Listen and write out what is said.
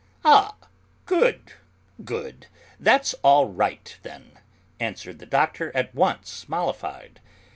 "Ah, good, good; that's all right, then," answered the Doctor, at once mollified.